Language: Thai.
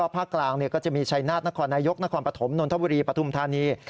ภาคกลางก็จะมีชัยนาธนครนายกนครปฐมนนทบุรีปฐุมธานี